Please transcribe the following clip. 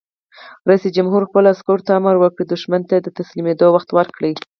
رئیس جمهور خپلو عسکرو ته امر وکړ؛ دښمن ته د تسلیمېدو وخت ورکړئ!